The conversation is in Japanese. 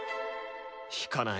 弾かない。